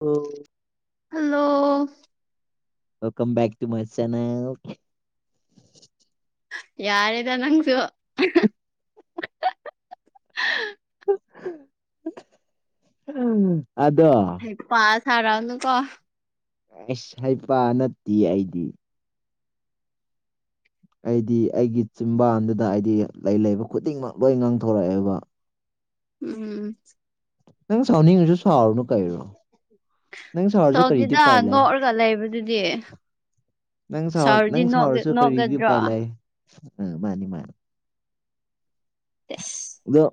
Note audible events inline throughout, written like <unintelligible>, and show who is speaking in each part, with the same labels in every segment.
Speaker 1: ꯑ
Speaker 2: hello
Speaker 1: welcome ꯃ ꯆꯜ
Speaker 2: ꯌꯥꯔꯦꯗ ꯅꯪꯁꯨ
Speaker 1: ꯑꯗꯣ
Speaker 2: ꯁꯔꯥꯎꯅ ꯀꯣ
Speaker 1: ꯑꯩꯁ ꯍꯥꯏꯄꯥ ꯅꯠꯇꯦ ꯑꯩꯗꯤ ꯑꯩꯗꯤ ꯑꯩꯒꯤ ꯆꯤꯝꯕꯥꯟꯗꯨꯗ ꯍꯥꯏꯗꯤ ꯂꯩ ꯂꯩꯕ ꯈꯨꯗꯤꯡꯃꯛ ꯂꯣꯏ ꯉꯥꯡꯊꯣꯔꯛꯑꯦꯕ
Speaker 2: ꯎꯝ
Speaker 1: ꯅꯪ ꯁꯥꯎꯅꯤ ꯉꯁꯨ ꯁꯥꯎꯅꯅꯨꯡ ꯀꯥꯏꯔꯣ
Speaker 2: ꯁꯧꯗꯤꯗꯥ ꯅꯣꯛꯑꯒ ꯂꯩꯕꯗꯨꯗꯤ
Speaker 1: ꯅꯪ ꯁꯥꯎ
Speaker 2: ꯁꯥꯎꯔꯗꯤ
Speaker 1: ꯅꯪ ꯁꯥꯎꯔꯁꯨ
Speaker 2: ꯅꯣꯛꯒꯗ꯭ꯔꯣ
Speaker 1: ꯀꯔꯤꯗꯤꯄꯥꯏ ꯂꯩꯑꯦ ꯑ ꯃꯥꯅꯤ ꯃꯥꯅꯤ
Speaker 2: ꯑꯦꯁ
Speaker 1: ꯑꯗꯣ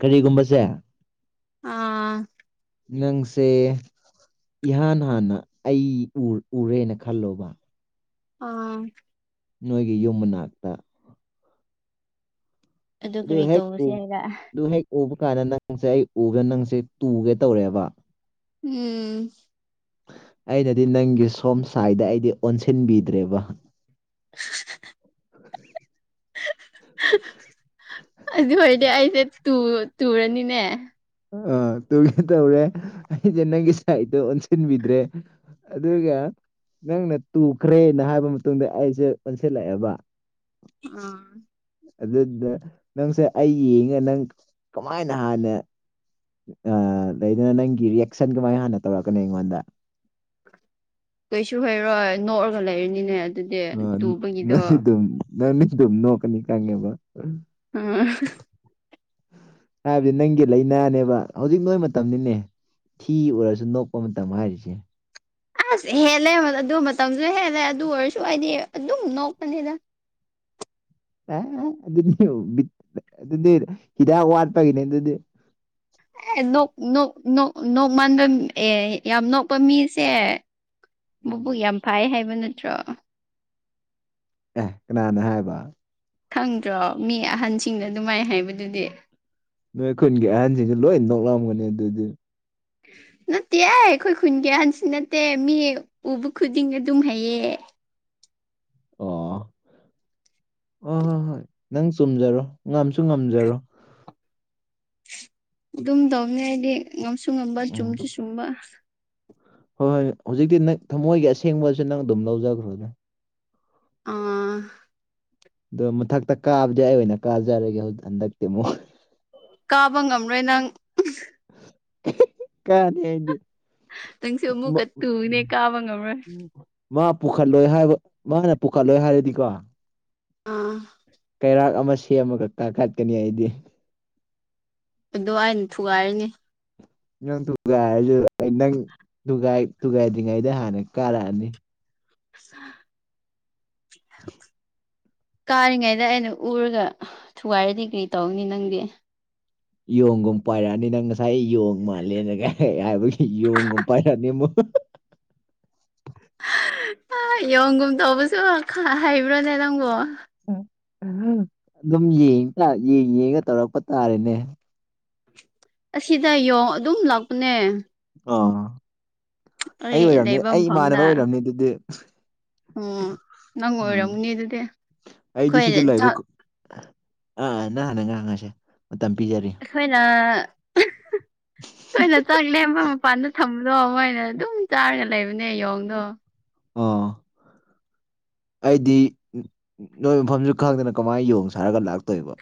Speaker 1: ꯀꯔꯤꯒꯨꯝꯕꯁꯦ
Speaker 2: ꯑꯥ
Speaker 1: ꯅꯪꯁꯦ ꯏꯍꯥꯟ ꯍꯥꯟꯅ ꯑꯩ ꯎꯔꯦꯅ ꯈꯜꯂꯣꯕ
Speaker 2: ꯑꯥ
Speaker 1: ꯅꯣꯏꯒꯤ ꯌꯨꯝ ꯃꯅꯥꯛꯇ
Speaker 2: ꯑꯗꯨ
Speaker 1: ꯑꯗꯨꯨ
Speaker 2: ꯀꯔꯤ
Speaker 1: ꯍꯦꯛ
Speaker 2: ꯇꯧꯕꯁꯦ ꯍꯥꯏꯔ
Speaker 1: ꯀ ꯍ ꯎꯕ ꯀꯥꯟꯗ ꯅꯪꯁꯦ ꯑꯩ ꯎꯗ ꯅꯪꯁꯦ ꯇꯨꯒꯦ ꯇꯧꯔꯦꯕ
Speaker 2: ꯎꯝ
Speaker 1: ꯑꯩꯅꯗꯤ ꯅꯪꯒꯤ ꯁꯣꯝ ꯁꯥꯏꯗ ꯑꯩꯗꯤ ꯑꯣꯟꯁꯤꯟꯕꯤꯗ꯭ꯔꯦꯕ
Speaker 2: <inaudible>
Speaker 1: <inaudible>
Speaker 2: ꯇꯨꯨꯔꯅꯤꯅꯦ
Speaker 1: ꯑ ꯇꯨꯒꯦ ꯇꯧ꯭ꯔꯦ ꯑꯩꯗꯦ ꯅꯪꯒꯤ ꯁꯥꯏꯗꯣ ꯑꯣꯟꯁꯤꯟꯕꯤꯗ꯭ꯔꯦ ꯑꯗꯨꯒ ꯅꯪꯅ ꯇꯨꯈ꯭ꯔꯦꯅ ꯍꯥꯏꯕ ꯃꯇꯨꯡꯗ ꯑꯩꯁꯦ ꯑꯣꯟꯁꯤꯜꯂꯛꯑꯦꯕ
Speaker 2: ꯑꯥ
Speaker 1: ꯑꯗꯨꯗ ꯅꯪꯁꯦ ꯑꯩ ꯌꯦꯡꯉꯦ ꯅꯪ ꯀꯃꯥꯏꯅ ꯍꯥꯟꯅ ꯑ ꯂꯩꯗꯅ ꯅꯪꯒꯤ ꯔꯤꯌꯦꯁꯟ ꯀꯃꯥꯏꯅ ꯍꯥꯟꯅ ꯇꯧꯔꯛꯀꯅꯤ ꯑꯩꯉꯣꯟꯗ
Speaker 2: ꯀꯩꯁꯨ ꯍꯩꯔꯣꯏ ꯅꯣꯛꯑꯒ ꯂꯩꯔꯤꯅꯤꯅꯦ
Speaker 1: ꯑ ꯅꯜꯂꯤꯗ ꯅꯜꯂꯤ ꯑꯗꯨꯝ ꯅꯣ ꯀꯅꯤ ꯀꯪꯉꯦꯕ
Speaker 2: ꯎꯝ
Speaker 1: ꯍꯥꯏꯕꯗꯤ ꯅꯪꯒꯤ ꯂꯩꯅꯥꯅꯦꯕ ꯍꯧꯖꯤꯛ ꯅꯣꯏ ꯃꯇꯝꯅꯤꯅꯦ ꯊꯤ ꯑꯣꯏꯔꯁꯨ ꯅꯣꯛꯄ ꯃꯇꯝ ꯍꯥꯏꯔꯤꯁꯦ
Speaker 2: ꯑꯁ ꯍꯦꯜꯂꯦ ꯑꯗꯨꯣ ꯃꯇꯝꯁꯨ ꯍꯦꯜꯂꯦ ꯑꯗꯨ ꯑꯣꯏꯔꯁꯨ ꯑꯩꯗꯤ ꯑꯗꯨꯝ ꯅꯣꯛꯄꯅꯤꯅ
Speaker 1: ꯑꯗꯨꯗꯤ ꯑꯗꯨꯗꯤ ꯍꯤꯗꯥꯛ ꯋꯥꯠꯄꯒꯤꯅꯦ ꯑꯗꯨꯗꯤ
Speaker 2: ꯑꯦ ꯅꯣꯛ ꯃꯥꯟꯕ ꯑꯦ ꯌꯥꯝ ꯅꯣꯛꯄ ꯃꯤꯁꯦ ꯕꯨ
Speaker 1: ꯎꯝ
Speaker 2: ꯌꯥꯝ ꯐꯥꯏ ꯍꯥꯏꯕ ꯅꯠꯇ꯭ꯔꯣ
Speaker 1: ꯑꯦ ꯀꯅꯥꯅ ꯍꯥꯏꯕ
Speaker 2: ꯈꯪꯗ꯭ꯔꯣ ꯃꯤ ꯑꯍꯟꯁꯤꯡꯅ ꯑꯗꯨꯃꯥꯏꯅ ꯍꯥꯏꯕꯗꯨꯗꯤ
Speaker 1: ꯅꯣꯏ ꯈꯨꯟꯒꯤ ꯑꯍꯟꯁꯤꯡꯁꯨ ꯂꯣꯏ ꯅꯣꯛꯂꯝꯒꯅꯤ ꯑꯗꯨꯗꯤ
Speaker 2: ꯎ ꯅꯠꯇꯦ ꯑ ꯑꯩꯈꯣꯏ ꯈꯨꯟꯒꯤ ꯑꯍꯟꯁꯤ ꯅꯠꯇꯦ ꯃꯤ ꯎꯕ ꯈꯨꯗꯤꯡ ꯑꯗꯨꯝ ꯍꯩꯌꯦ <inaudible> <unintelligible>
Speaker 1: ꯑ ꯍꯣꯏ ꯍꯣꯏ ꯅꯪ ꯆꯨꯝꯖꯔꯣ ꯉꯝꯁꯨ ꯉꯝꯖꯔꯣ
Speaker 2: ꯑꯗꯨꯝ ꯇꯧꯅꯤ ꯍꯥꯏꯗꯤ ꯉꯝꯁꯨ ꯉꯝꯕ
Speaker 1: ꯎꯝ
Speaker 2: ꯆꯨꯝꯁꯨ ꯆꯨꯝꯕ
Speaker 1: ꯍꯣꯏ ꯍꯣꯏ ꯍꯧꯖꯤꯛꯇꯤ ꯅꯪ ꯊꯃꯣꯏꯒꯤ ꯑꯁꯦꯡꯕꯁꯨ ꯅꯪ ꯑꯗꯨꯝ ꯂꯧꯖꯈ꯭ꯔꯣꯅꯦ
Speaker 2: ꯑꯥ
Speaker 1: ꯑꯗꯣ ꯃꯊꯛꯇ ꯀꯥꯕꯗꯤ ꯑꯩ ꯑꯣꯏꯅ ꯀꯥꯖꯔꯒꯦꯛ ꯍꯟꯗꯛꯇꯤ ꯑꯃꯨꯛ
Speaker 2: ꯀꯥꯕ ꯉꯝꯔꯣꯏ ꯅꯪ
Speaker 1: ꯀꯍꯅꯤ ꯑꯗꯤ
Speaker 2: ꯅꯪꯁꯨ
Speaker 1: ꯎ
Speaker 2: ꯑꯃꯨꯛꯀ ꯇꯨꯅꯦ ꯀꯥꯕ ꯉꯝꯔꯣꯏ
Speaker 1: ꯎꯝ ꯃꯥ ꯄꯨꯈꯠꯂꯣꯏ ꯍꯥꯏꯕ ꯃꯥꯅ ꯄꯨꯈꯠꯂꯣꯏ ꯍꯥꯏꯔꯗꯤꯀꯣ
Speaker 2: ꯑꯥ
Speaker 1: ꯀꯩꯔꯥꯛ ꯑꯃ ꯁꯦꯝꯃꯈ ꯀꯥꯈꯠꯀꯅꯤ ꯑꯩꯗꯤ
Speaker 2: ꯑꯗꯨ ꯑꯩꯅ ꯊꯨꯒꯥꯏꯔꯅꯤ
Speaker 1: ꯅꯪ ꯊꯨꯒꯥꯏꯔꯁꯨ ꯑꯩ ꯅꯪ ꯊꯨꯒꯥꯏꯗ꯭ꯔꯤꯉꯩꯗ ꯍꯥꯟꯅ ꯀꯥꯔꯛꯑꯅꯤ
Speaker 2: ꯑꯁ <unintelligible> <inaudible> ꯀꯥꯔꯤꯉꯩꯗ ꯑꯩꯅ ꯎꯔꯒ ꯊꯨꯒꯥꯏꯔꯗꯤ ꯀꯔꯤ ꯇꯧꯅꯤ ꯅꯪꯗꯤ
Speaker 1: ꯌꯣꯡꯒꯨꯝ ꯄꯥꯏꯔꯛꯑꯅꯤ ꯅꯪ ꯉꯁꯥꯏ ꯌꯣꯡ ꯃꯥꯜꯂꯦꯅ ꯀꯥꯏꯔꯛꯦ ꯍꯥꯏꯕꯒꯤ ꯌꯣꯡꯒꯨꯝ ꯄꯥꯏꯔꯛꯑꯅꯤ ꯑꯃꯨꯛ ꯍ
Speaker 2: ꯑ ꯌꯣꯡꯒꯨꯝ ꯇꯧꯕꯁꯨ ꯈ ꯍꯩꯕ꯭ꯔꯣꯅꯦ ꯅꯪꯕꯨꯣ
Speaker 1: ꯑꯗꯨꯝ ꯌꯦꯡ ꯌꯦꯡꯒ ꯇꯧꯔꯛꯄ ꯇꯥꯔꯦꯅꯦ
Speaker 2: ꯑꯁꯤꯗ ꯌꯦꯡ ꯑꯗꯨꯝ ꯂꯥꯛꯄꯅꯦ
Speaker 1: ꯑ ꯑꯩ ꯑꯣꯏꯔꯝꯅꯦ
Speaker 2: ꯂꯩꯕ
Speaker 1: ꯑꯩ
Speaker 2: ꯃꯐꯝꯗ
Speaker 1: ꯏꯃꯥꯟꯅꯕ ꯑꯣꯏꯔꯝꯅꯦ ꯑꯗꯨꯗꯤ
Speaker 2: ꯎꯝ ꯅꯪ
Speaker 1: ꯎꯝ
Speaker 2: ꯑꯣꯏꯔꯝꯅꯤ ꯑꯗꯨꯗꯤ
Speaker 1: ꯑꯩꯗꯤ
Speaker 2: ꯑꯩꯈꯣꯏꯅ
Speaker 1: ꯁꯤꯗ ꯂꯩꯕ
Speaker 2: ꯆꯥꯛ
Speaker 1: ꯑꯥ ꯅꯅꯦꯪ ꯉꯉꯁꯦ
Speaker 2: ꯑꯩꯈꯣꯏꯅ ꯇꯣꯏꯅ ꯆꯪꯂꯦ ꯃꯣꯏ ꯃꯄꯥꯟꯗ ꯊꯝꯕꯗꯣ ꯃꯣꯏꯅ ꯑꯗꯨꯝ ꯆꯥꯔꯒ ꯂꯩꯕꯅꯦ ꯌꯦꯣꯡꯗꯣ
Speaker 1: ꯑꯥ ꯑꯩꯗꯤ ꯅꯣꯏ ꯃꯐꯝꯁꯨ ꯈꯪꯗꯅ ꯀꯃꯥꯏꯅ ꯌꯣꯡ ꯁꯥꯔꯒ ꯂꯥꯛꯇꯣꯏꯕ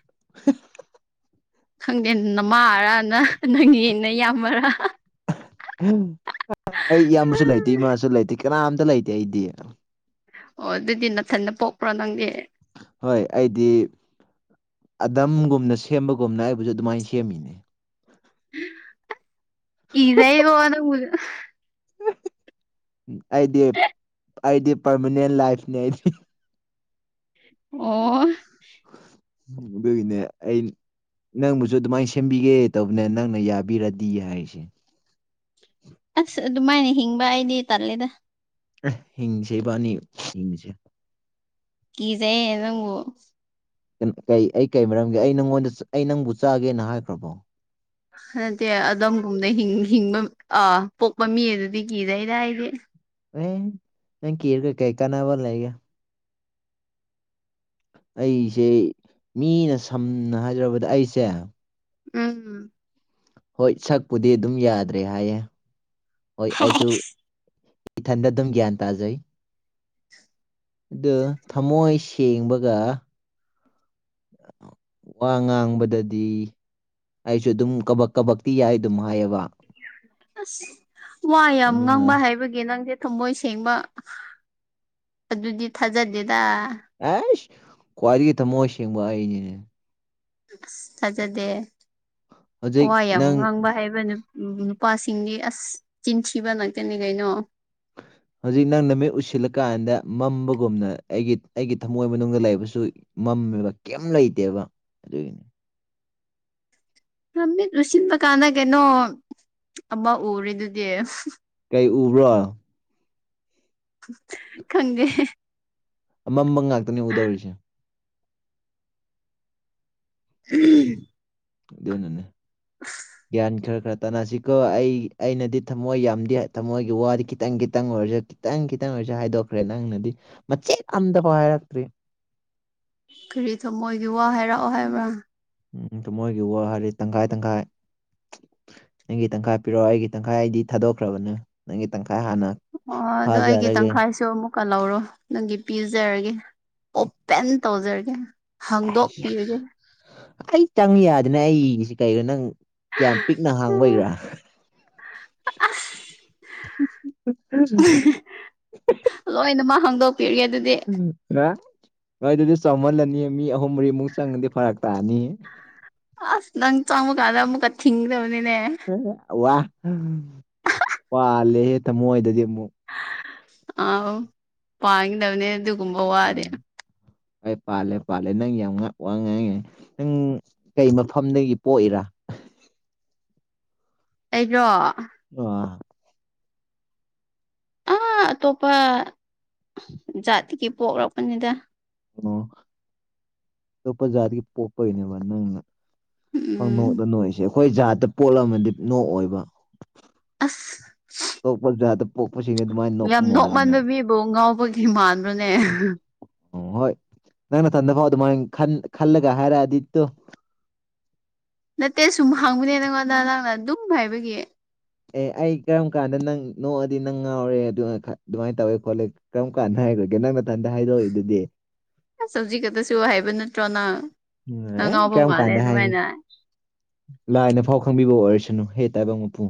Speaker 2: ꯈꯪꯗꯦ ꯅꯃꯥꯔꯥꯅ ꯅꯪꯉꯦꯅ ꯌꯥꯝꯃꯔꯥ
Speaker 1: ꯑꯩ ꯏꯌꯥꯝꯕꯁꯨ ꯂꯩꯇꯦ ꯏꯃꯥꯁꯨ ꯂꯩꯇꯦ ꯀꯅꯥꯝꯇ ꯂꯩꯇꯦ ꯑꯩꯗꯤ
Speaker 2: ꯑꯣ ꯑꯗꯨꯗꯤ ꯅꯅꯥꯊꯟꯟꯅ ꯄꯣꯛꯄ꯭ꯔꯣ ꯅꯪꯗꯤ
Speaker 1: ꯍꯣꯏ ꯑꯩꯗꯤ ꯑꯗꯝꯒꯨꯝꯅ ꯁꯦꯝꯕꯒꯨꯝꯅ ꯑꯩꯕꯨꯁꯨ ꯑꯗꯨꯃꯥꯏꯅ ꯁꯦꯝꯃꯤꯅꯦ
Speaker 2: ꯏꯖꯏ ꯀꯅꯗ
Speaker 1: ꯑꯩꯗꯤ ꯑꯩꯗꯤ ꯄꯔꯃꯅꯦꯟ ꯂꯥꯏꯐꯅꯦ ꯑꯩꯗꯤ
Speaker 2: ꯑꯣ
Speaker 1: ꯗꯒꯤꯅꯦ ꯑꯩ ꯅꯪꯕꯨꯁꯨ ꯑꯗꯨꯃꯥꯏꯅ ꯁꯦꯝꯕꯤꯒꯦ ꯇꯧꯕꯅ ꯅꯪꯅ ꯌꯥꯕꯤꯔꯗꯤ ꯍꯥꯏꯁꯦ
Speaker 2: ꯑꯁ ꯑꯗꯨꯃꯥꯏꯅ ꯍꯤꯡꯕ ꯑꯩꯗꯤ ꯇꯜꯂꯦꯗ
Speaker 1: ꯍꯤꯡꯁꯦ ꯏꯕꯥꯅꯤ ꯍꯤꯡꯁꯦ
Speaker 2: ꯀꯤꯁꯦ ꯅꯪꯕꯨ
Speaker 1: ꯀ ꯑꯩ ꯀꯩ ꯃꯔꯝꯒꯤꯦ ꯑꯩ ꯅꯪꯉꯣꯟꯗ ꯑꯩ ꯅꯪꯕꯨ ꯆꯥꯒꯦꯅ ꯍꯥꯏꯈ꯭ꯔꯕꯣ
Speaker 2: ꯅꯠꯇꯦ ꯑꯗꯣꯝꯒꯨꯝꯅ ꯍꯤꯡꯕ ꯑꯥ ꯄꯣꯛꯄ ꯃꯤ ꯑꯗꯨꯗꯤ ꯀꯤꯗꯩꯗ ꯍꯥꯏꯗꯤ
Speaker 1: ꯑꯦ ꯀ ꯀꯔ ꯀ ꯀꯩꯀꯥꯅꯥꯕ ꯂꯩꯒꯦ ꯑꯩꯁꯦ ꯃꯤꯅ ꯁꯝꯅ ꯍꯥꯏꯖꯔꯕꯗ ꯑꯩꯁꯦ
Speaker 2: ꯎꯝ
Speaker 1: ꯍꯣꯏ ꯁꯛꯄꯨꯗꯤ ꯑꯗꯨꯝ ꯌꯥꯗ꯭ꯔꯦ ꯍꯥꯏꯌꯦ ꯍꯣꯏ ꯑꯩꯁꯨ ꯏꯊꯟꯗ ꯑꯗꯨꯝ ꯒ꯭ꯌꯥꯟ ꯇꯥꯖꯩ ꯑꯗꯨ ꯊꯃꯣꯏ ꯁꯦꯡꯕꯒ ꯋꯥ ꯉꯥꯡꯕꯗꯗꯤ ꯑꯩꯁꯨ ꯑꯗꯨꯝ ꯀꯕꯛ ꯀꯕꯛꯇꯤ ꯌꯥꯏ ꯑꯗꯨꯝ ꯍꯥꯏꯌꯦꯕ
Speaker 2: ꯑꯁ ꯋꯥ ꯌꯥꯝ ꯉꯥꯡꯕ
Speaker 1: ꯑꯗꯨꯅ
Speaker 2: ꯍꯥꯏꯕꯒꯤ ꯅꯪꯁꯦ ꯊꯝꯃꯣꯏ ꯁꯦꯡꯕ ꯑꯗꯨꯗꯤ ꯊꯥꯖꯗꯦꯗ
Speaker 1: ꯑꯦꯁ ꯀ꯭ꯋꯥꯔꯒꯤ ꯇ ꯃꯣꯁ ꯌꯦꯕꯅꯤꯅꯦ
Speaker 2: ꯑꯁ ꯊꯥꯖꯗꯦ ꯋꯥ
Speaker 1: ꯍꯧꯖꯤꯛ
Speaker 2: ꯌꯥꯝ
Speaker 1: ꯅꯪ
Speaker 2: ꯉꯥꯡꯕ ꯍꯥꯏꯕ ꯅꯨ ꯎꯝ ꯅꯨꯄꯥꯁꯤꯡꯗꯤ ꯑꯁ ꯆꯤꯟꯊꯤꯕ ꯉꯇꯅꯤ ꯀꯩꯅꯣ
Speaker 1: ꯍꯧꯖꯤꯛ ꯅꯪꯅ ꯃꯤꯠ ꯎꯁꯤꯜꯂꯀꯥꯟꯗ ꯃꯝꯕꯒꯨꯝꯅ ꯑꯩꯒꯤ ꯑꯩꯒꯤ ꯊꯝꯃꯣꯏ ꯃꯅꯨꯡꯗ ꯂꯩꯕꯁꯨ ꯝꯃꯦꯕ ꯀꯩꯝ ꯂꯩꯇꯦꯕ ꯑꯗꯨꯒꯤꯅꯤ
Speaker 2: ꯂꯝꯃꯤꯠ ꯂꯨꯁꯤꯟꯕ ꯀꯥꯟꯗ ꯀꯩꯅꯣ ꯑꯕ ꯎꯔꯤꯦꯗꯨꯗꯤ
Speaker 1: ꯑꯩ ꯎꯕ꯭ꯔꯣ
Speaker 2: ꯈꯪꯒꯦ
Speaker 1: ꯑꯃꯝꯕꯝ ꯉꯥꯛꯇꯅꯤ ꯎꯗꯧꯔꯤꯁꯦ
Speaker 2: ꯎꯝ
Speaker 1: ꯗꯅꯅꯦ ꯭ꯟ ꯈꯔ ꯈꯔ ꯇꯅꯥꯁꯤꯀꯣ ꯑꯩ ꯑꯩꯅꯗꯤ ꯊꯝꯃꯣꯏ ꯌꯥꯝꯗꯦ ꯊꯝꯃꯣꯏꯒꯤ ꯋꯥꯗꯤ ꯈꯤꯇꯪ ꯈꯤꯇꯪ ꯑꯣꯏꯔꯁꯨ ꯈꯤꯇꯪ ꯈꯤꯇꯪ ꯑꯣꯏꯔ ꯍꯥꯏꯗꯣꯛꯈ꯭ꯔꯦ ꯅꯪꯅꯗꯤ ꯃꯆꯦꯠ ꯑꯝꯗꯐꯥꯎ ꯍꯥꯏꯔꯛꯇ꯭ꯔꯤ
Speaker 2: ꯀꯔꯤ ꯊꯝꯃꯣꯏꯒꯤ ꯋꯥ ꯍꯥꯏꯔꯛꯑꯣ ꯍꯥꯏꯕ꯭ꯔꯥ
Speaker 1: ꯎ ꯃꯣꯏꯒꯤ ꯋꯥ ꯍꯥꯏꯗꯤ ꯇꯪꯈꯥꯏ ꯇꯪꯈꯥꯏ ꯅꯪꯒꯤ ꯇꯪꯈꯥꯏ ꯄꯤꯔꯛꯑꯣ ꯑꯩꯒꯤ ꯇꯪꯈꯥꯏ ꯑꯩꯗꯤ ꯊꯥꯗꯣꯛꯈ꯭ꯔꯕꯅꯦ ꯅꯪꯒꯤ ꯇꯪꯈꯥꯏ ꯍꯥꯟꯅ
Speaker 2: ꯑꯣ ꯑꯗꯣ ꯑꯩꯒꯤ
Speaker 1: ꯐꯥꯖꯔꯒꯦ
Speaker 2: ꯇꯪꯈꯥꯏꯁꯨ ꯑꯃꯨꯛ ꯀꯜꯍꯧꯔꯣ ꯅꯪꯒꯤ ꯄꯤꯖꯔꯒꯦ ꯑꯣꯄꯦꯟ ꯇꯧꯖꯔꯒꯦ
Speaker 1: ꯑꯩꯌꯥ
Speaker 2: ꯍꯥꯡꯗꯣꯛꯄꯤꯔꯒꯦ
Speaker 1: ꯑꯩ ꯆꯪ ꯌꯥꯗꯅ ꯑꯩꯁ ꯀꯩꯣ ꯅꯪ ꯀꯌꯥꯝ ꯄꯤꯛꯅ ꯍꯥꯡꯕꯩꯒꯔꯥ
Speaker 2: ꯑ <unintelligible>
Speaker 1: ꯎꯝ
Speaker 2: ꯍꯥꯡꯗꯣꯛꯄꯤꯔꯤꯒꯦ ꯑꯗꯨꯗꯤ
Speaker 1: ꯅꯣꯏ ꯑꯗꯨꯗꯤ ꯆꯥꯎꯃꯜꯂꯅꯤ ꯃꯤ ꯑꯍꯨꯝ ꯃꯔꯤꯃꯨꯛ ꯆꯪꯉꯗꯤ ꯐꯔꯛ ꯇꯥꯑꯅꯤ
Speaker 2: ꯑꯁ ꯅꯪ ꯆꯣꯡꯛ ꯑꯗꯃ ꯀ ꯊꯤꯡ
Speaker 1: ꯋꯥ ꯋꯥꯂꯦꯍꯦ ꯊꯃꯣ ꯍꯣꯏꯗꯗꯤ ꯑꯃꯨꯛ
Speaker 2: ꯑ ꯄꯥꯡꯒꯗꯕꯅꯦ ꯑꯗꯨꯒꯨꯝꯕ ꯋꯥꯔꯦ
Speaker 1: ꯑꯩ ꯄꯥꯜꯂꯦ ꯄꯥꯜꯂꯦ ꯅꯪ ꯌꯥꯝ ꯋꯥ ꯉꯥꯏꯉꯥꯏ ꯅꯪ ꯀꯩ ꯃꯐꯝꯗꯒꯤ ꯄꯣꯛꯏꯔꯥ
Speaker 2: <inaudible> ꯑꯩꯔꯣ
Speaker 1: ꯑ
Speaker 2: ꯑꯥ ꯑꯇꯣꯞꯄ ꯖꯥꯠꯇꯒꯤ ꯄꯣꯛꯂꯛꯄꯅꯤꯗ
Speaker 1: ꯑꯣ ꯑꯇꯣꯞꯄ ꯖꯥꯠꯒꯤ ꯄꯣꯛꯄꯒꯤꯅꯦꯕ ꯅꯪꯅ
Speaker 2: ꯎꯝ
Speaker 1: ꯐꯪꯅꯣꯛꯗ ꯅꯣꯏꯁꯦ ꯑꯩꯈꯣꯏ ꯖꯥꯠꯇ ꯄꯣꯠꯂꯝꯃꯗꯤ ꯅꯣꯛꯑꯣꯏꯕ
Speaker 2: ꯑꯁ
Speaker 1: ꯑꯇꯣꯞꯄ ꯖꯥꯠꯇ ꯄꯣꯛꯄꯁꯤꯡꯗꯤ ꯑꯗꯨꯃꯥꯏꯅ ꯅꯣꯛꯄ
Speaker 2: ꯌꯥꯝ
Speaker 1: ꯃꯥꯜꯂꯦꯅꯦ
Speaker 2: ꯅꯣꯛꯃꯟꯕ ꯃꯤꯕꯨ ꯉꯥꯎꯕꯒꯤ ꯏꯃꯅꯅꯅꯦ
Speaker 1: ꯑꯣ ꯍꯣꯏ ꯅꯪ ꯅꯊꯟꯗ ꯐꯥꯎ ꯑꯗꯨꯃꯥꯏ ꯈꯜꯂꯒ ꯍꯥꯏꯔꯛꯑꯗꯤꯠꯇꯣ
Speaker 2: ꯅꯠꯇꯦ ꯁꯨꯝ ꯍꯥꯡꯕꯅꯦ ꯅꯪꯉꯣꯟꯗ ꯅꯪꯅ ꯑꯗꯨꯝ ꯍꯥꯏꯕꯒꯤ
Speaker 1: ꯑꯦ ꯑꯩ ꯀꯔꯝ ꯀꯥꯟꯗ ꯅꯪ ꯅꯣꯛꯑꯗꯤ ꯅꯪ ꯉꯥꯎꯔꯦ ꯑꯗꯨꯃꯥꯏꯅ ꯇꯧꯋꯦ ꯈꯣꯠꯂꯦ ꯀꯔꯝ ꯀꯥꯟꯗ ꯍꯥꯏꯈ꯭ꯔꯒꯦ ꯅꯪ ꯃꯊꯟꯗ ꯍꯥꯏꯗꯣꯛꯏ ꯑꯗꯨꯗꯤ
Speaker 2: ꯑꯗꯨꯅ ꯆꯅ
Speaker 1: ꯎ ꯑꯩ ꯀꯔꯝ ꯀꯥꯟꯗ ꯍꯥꯏꯒꯦ ꯂꯥꯏꯅ ꯐꯥꯎ ꯈꯪꯕꯤꯕ ꯑꯣꯏꯔ ꯅ ꯍꯦ ꯇꯥꯏꯕ ꯄꯨ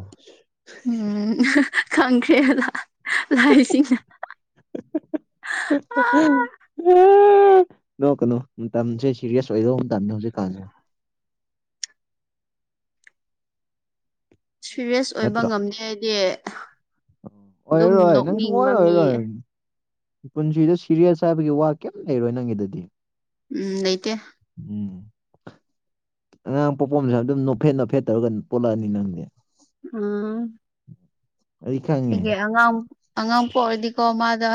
Speaker 2: ꯈꯪꯈꯦꯗ
Speaker 1: <inaudible>
Speaker 2: ꯑꯥ
Speaker 1: ꯅꯣ ꯀꯩꯅꯣ ꯃꯇꯝꯁꯦ ꯁꯤꯦꯔꯤꯌꯁ ꯑꯣꯏꯗꯧꯕ ꯃꯇꯝꯅꯦ ꯍꯧꯖꯤꯛꯀꯜꯁꯦ
Speaker 2: ꯁꯤꯔꯤꯌꯁ ꯑꯣꯏꯕ ꯉꯝꯗꯦ ꯍꯥꯏꯗꯤ
Speaker 1: ꯑꯣꯏꯔꯣ ꯅꯪ ꯁꯨꯡ ꯑꯣꯏ
Speaker 2: ꯃꯤ
Speaker 1: ꯑꯣꯏꯔ ꯄꯨꯟꯁꯤꯗ ꯁꯤꯔꯤꯌꯁ ꯍꯥꯏꯕꯒꯤ ꯋꯥ ꯀꯩꯝ ꯂꯩꯔꯣꯏ ꯅꯪꯒꯤꯗꯗꯤ
Speaker 2: ꯎꯝ ꯂꯩꯩꯇꯦ
Speaker 1: ꯎꯝ ꯑꯉꯥꯡ ꯄꯣꯛꯄꯣꯝꯁꯦ ꯑꯗꯨꯝ ꯅꯣꯞꯐꯦꯠ ꯅꯣꯞꯐꯦꯠ ꯇꯧꯔꯒ ꯄꯣꯜꯂꯛꯑꯅꯤ ꯅꯪꯁ
Speaker 2: ꯑꯝ
Speaker 1: ꯑꯩ ꯈꯪꯉꯦ
Speaker 2: ꯑꯩꯦ ꯑꯉꯥꯡ ꯑꯉꯥꯡ ꯄꯣꯛ ꯑꯣꯏꯔꯗꯤꯀꯣ ꯃꯥꯗ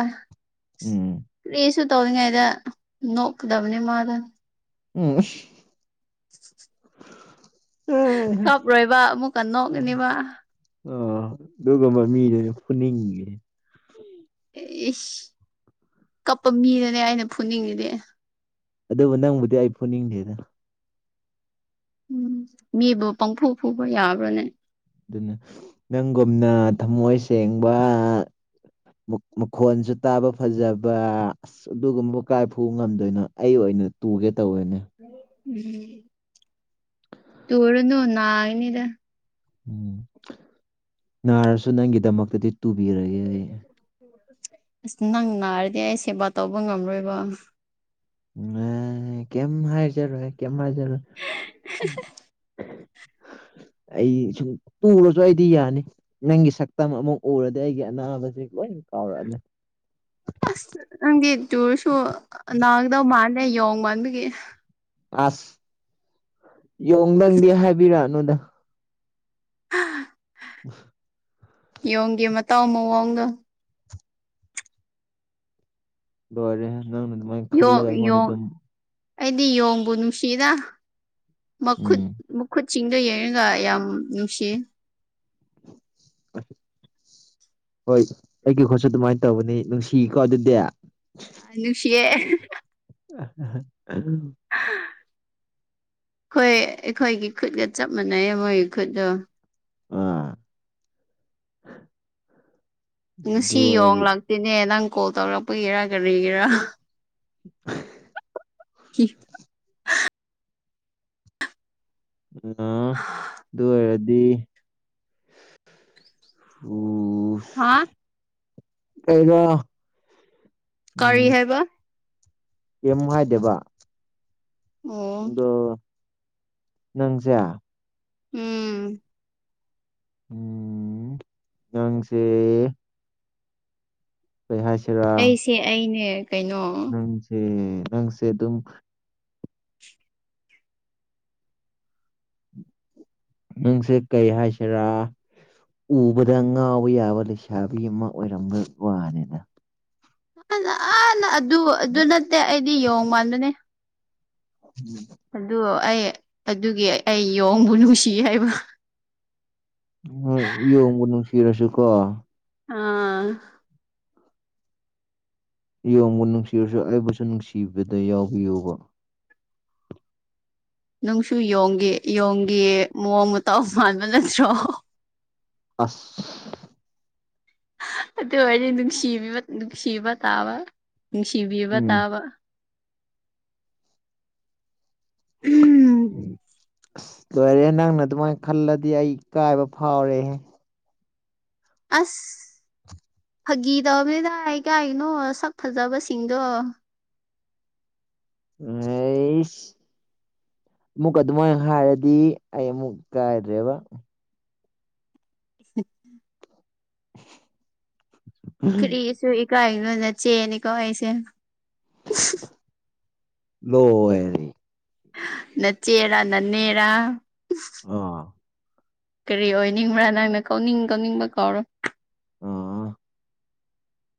Speaker 1: ꯎꯝ
Speaker 2: ꯂꯩꯁꯨ ꯇꯧꯔꯤꯉꯩꯗ ꯅꯣꯛꯀꯗꯕꯅꯤ ꯃꯥꯗ
Speaker 1: ꯎꯝ ꯑꯥ
Speaker 2: ꯀꯞꯔꯣꯏꯕ ꯑꯃꯨꯛ ꯀꯟꯅ ꯅꯣꯛꯒꯅꯤꯕ
Speaker 1: ꯑ ꯑꯗꯨꯒꯨꯝꯕ ꯃꯤꯗꯨꯅ ꯐꯅꯤꯡꯉꯦ
Speaker 2: ꯏ ꯀꯞꯄ ꯃꯤꯅꯅꯦ ꯑꯩꯅ ꯐꯨꯅꯤꯡꯉꯤꯅꯦ
Speaker 1: ꯑꯗꯨꯕꯨ ꯅꯪꯕꯨꯗꯤ ꯑꯩ ꯄꯨꯨꯅꯤꯡꯗꯦꯗꯅ
Speaker 2: ꯎꯝ ꯃꯤꯕꯨ ꯄꯪꯐꯨ ꯐꯨꯕ ꯌꯥꯕ꯭ꯔꯅꯦ
Speaker 1: ꯑꯗꯨꯅ ꯅꯪꯒꯨꯝꯅ ꯊꯃꯣꯏ ꯁꯦꯡꯕ ꯃꯈꯣꯟꯁꯨ ꯇꯥꯕ ꯐꯖꯕ ꯑꯁ ꯑꯗꯨꯒꯨꯝꯕ ꯀꯥꯏ ꯐꯨꯕ ꯉꯝꯗꯣꯏꯅꯣ ꯑꯩ ꯑꯣꯏ ꯩꯅ ꯇꯨꯒꯦ ꯇꯧꯋꯦꯅꯦ
Speaker 2: ꯎꯝ ꯇꯔꯅꯣ ꯅ ꯏꯅꯤꯗ
Speaker 1: ꯎꯝ ꯅꯥꯔꯁꯨ ꯅꯪꯒꯤꯗꯃꯛꯇꯗꯤ ꯇꯨꯕꯤꯔꯒꯦ ꯑꯩ
Speaker 2: <inaudible> ꯑꯁ ꯅꯪ ꯅꯥꯔꯗꯤ ꯑꯩ ꯁꯦꯕꯥ ꯇꯧꯕ ꯉꯝꯔꯣꯏꯕ
Speaker 1: ꯑ ꯀꯝ ꯍꯥꯏꯖꯔꯣꯦ ꯀꯝ ꯍꯥꯏꯖꯔ
Speaker 2: <inaudible>
Speaker 1: ꯑꯩ ꯁꯨꯝ ꯇꯔꯁꯨ ꯑꯩꯗꯤ ꯌꯥꯅꯤ ꯅꯪꯒꯤ ꯁꯛꯇꯝ ꯑꯃꯨꯛ ꯎꯔꯗꯤ ꯑꯩꯒꯤ ꯑꯅꯥꯕꯕꯁꯤꯦ ꯂꯣꯏ ꯀꯥꯎꯔꯅꯦꯦ
Speaker 2: <inaudible> ꯑꯁ ꯅꯪꯒꯤ ꯇꯨꯔꯁꯨ ꯅꯥꯗꯧ ꯃꯥꯜꯂꯦ ꯌꯦꯣꯡꯕ ꯑꯗꯨꯒꯤ
Speaker 1: ꯑꯁ ꯌꯣꯡꯗꯪꯗꯤ ꯍꯥꯏꯕꯤꯔꯛꯑꯅꯨꯗ ꯎ
Speaker 2: ꯌꯒꯤꯦ ꯃ ꯇꯥꯎ ꯃ ꯋꯥꯒ
Speaker 1: ꯂꯣꯏꯔꯦ ꯅꯪꯅ ꯑꯗꯨꯃꯥꯏꯅ
Speaker 2: ꯌꯣꯡ
Speaker 1: ꯈꯜꯂꯒ ꯑꯩꯉꯣꯟꯗ
Speaker 2: ꯌꯣꯡ
Speaker 1: ꯑꯗꯨꯝ
Speaker 2: ꯑꯩꯗꯤ ꯌꯣꯡꯕꯨ ꯅꯨꯡꯁꯤꯅ ꯃꯈꯨꯠ
Speaker 1: ꯎꯝ
Speaker 2: ꯃꯈꯨꯠ ꯆꯤꯡꯗ ꯌꯦꯡꯉꯒ ꯌꯥꯝ ꯅꯨꯡꯁꯤ
Speaker 1: ꯑ ꯍꯣꯏ ꯑꯩꯒꯤ ꯍꯣꯠꯁꯨ ꯑꯗꯨꯃꯥꯏꯅ ꯇꯧꯕꯅꯤ ꯅꯨꯡꯁꯤꯀꯣ ꯑꯗꯨꯗꯤ
Speaker 2: ꯑꯅꯨꯁꯤꯦ
Speaker 1: <inaudible>
Speaker 2: ꯍꯣꯏ ꯑꯩꯈꯣꯏꯒꯤ ꯈꯨꯠꯒ ꯆꯞ ꯃꯥꯟꯅꯩ ꯃꯣꯏꯒꯤ ꯈꯨꯠꯇꯣ
Speaker 1: ꯑꯥ
Speaker 2: ꯉꯁꯤ ꯌꯣꯡꯂꯛꯇꯦꯅꯦ ꯅꯪ ꯀꯣꯜ ꯇꯧꯔꯛꯄꯒꯤꯔꯥ ꯀꯔꯤꯒꯤꯔꯥ
Speaker 1: <inaudible>
Speaker 2: ꯀ
Speaker 1: ꯑ ꯑꯗꯨ ꯑꯣꯏꯔꯗꯤ
Speaker 2: ꯍꯥꯥ
Speaker 1: ꯀꯩꯅꯩꯅ
Speaker 2: ꯀꯔꯤ ꯍꯥꯏꯦꯕ
Speaker 1: ꯑꯦꯦꯝꯍꯥꯏ ꯗꯦꯕꯥ
Speaker 2: ꯑꯣ
Speaker 1: ꯑꯗꯣ ꯅꯪꯁꯦ
Speaker 2: ꯎꯝ
Speaker 1: ꯎꯝ ꯉꯪꯁꯦ
Speaker 2: ꯑꯩꯁꯦ ꯑꯩꯅꯦ ꯀꯩꯅꯣ
Speaker 1: ꯅꯪꯁꯦ ꯅꯪꯁꯦ ꯑꯗꯨꯝ ꯅꯪꯁꯦ ꯀꯩ ꯍꯥꯏꯁꯤꯔꯥ ꯎꯕꯗ ꯉꯥꯎꯕ ꯌꯥꯕ ꯂꯩꯁꯥꯕꯤ ꯑꯃ ꯑꯣꯏꯔꯝꯕ ꯋꯥꯅꯤꯅ
Speaker 2: ꯑꯅ ꯑꯗꯨ ꯑꯗꯨ ꯅꯠꯇꯦ ꯑꯩꯗꯤ ꯌꯣꯡ ꯃꯥꯟꯗꯅꯦ ꯑꯗꯨ ꯑꯩ ꯑꯗꯨꯒꯤ ꯑꯩ ꯌꯦꯣꯡꯕꯨ ꯅꯨꯡꯁꯤ ꯍꯥꯏꯕ
Speaker 1: ꯏꯣꯅꯨꯡ ꯐꯔꯁꯨ ꯀꯣ
Speaker 2: ꯑꯥ
Speaker 1: ꯌꯣꯡꯕꯨ ꯅꯨꯡꯁꯤꯔꯁꯨ ꯑꯩꯕꯨꯁꯨ ꯅꯨꯡꯁꯤꯕꯗ ꯌꯥꯎꯕꯤꯌꯨꯕ
Speaker 2: ꯅꯨꯡꯁꯨ ꯌꯣꯡꯒꯦ ꯌꯣꯡꯒ ꯃꯑꯣꯡ ꯃꯇꯇꯧ ꯃꯥꯟꯕ ꯅꯠꯇ꯭ꯔꯣ
Speaker 1: ꯑꯁ
Speaker 2: ꯑꯣꯏ ꯅꯨꯡꯁꯤꯕꯤꯅꯨꯡꯁꯤꯕ ꯇꯕ ꯅꯨꯡꯁꯤꯕꯤꯕ
Speaker 1: ꯎꯝ
Speaker 2: ꯇꯥꯕ ꯎꯝ
Speaker 1: ꯑꯁ ꯂꯣꯏꯔꯦ ꯅꯪꯅ ꯑꯗꯨꯃꯥꯏꯅ ꯈꯜꯂꯗꯤ ꯑꯩ ꯀꯥꯏꯕ ꯐꯥꯎꯔꯦꯍ
Speaker 2: ꯑꯁ ꯐꯥꯒꯤ ꯇꯔꯕꯅꯤꯗꯥꯏ ꯀꯥꯏꯅꯣ ꯁꯛ ꯐꯖꯕꯁꯤꯡꯗꯣ
Speaker 1: ꯎꯩꯁ ꯑꯃꯨꯛ ꯑꯗꯨꯃꯥꯏꯅ ꯍꯥꯏꯔꯗꯤ ꯑꯩ ꯑꯃꯨꯛ ꯀꯥꯏ꯭ꯔꯦꯕ
Speaker 2: <unintelligible> ꯀꯔꯤꯁꯨ ꯏꯀꯥꯏꯅꯣ ꯅꯠ ꯆꯦꯅ ꯀꯥꯏꯁꯦ
Speaker 1: ꯂ ꯑꯦꯅꯤ
Speaker 2: ꯅꯆꯦꯔ ꯅꯟꯅꯦꯔ
Speaker 1: ꯑꯥ
Speaker 2: ꯀꯔꯤ ꯑꯣꯏꯅꯤꯡꯕ꯭ꯔꯥꯅ ꯑꯩꯅ ꯀꯧꯅꯤꯡ ꯀꯧꯅꯤꯡꯕ ꯀꯥꯎꯔꯣ
Speaker 1: ꯑꯥ